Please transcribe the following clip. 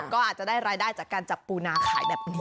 ก็อาจจะได้รายได้จากการจับปูนาขายแบบนี้